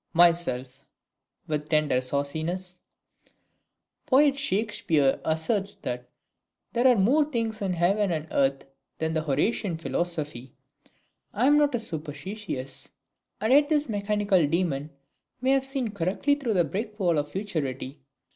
Myself (with a tender sauciness). Poet SHAKSPEARE asserts there are more things in Heaven and earth than the Horatian philosophy. I am not a superstitious and yet this mechanical demon may have seen correctly through the brick wall of Futurity.